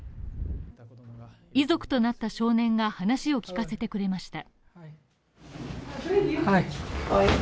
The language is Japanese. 遺族となった少年が話を聞かせてくれました。